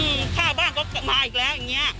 ค่าบ้านก็มาอีกแล้วอย่างเงี้